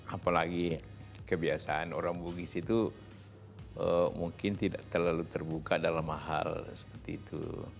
apalagi kebiasaan orang bugis itu mungkin tidak terlalu terbuka dalam hal seperti itu